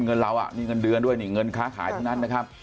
เงินเราอ่ะมีเงินเดือนด้วยนี่เงินค้าขายทั้งนั้นนะครับ